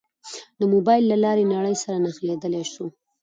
د موبایل له لارې نړۍ سره نښلېدای شو.